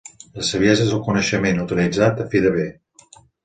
La saviesa és el coneixement utilitzat a fi de bé.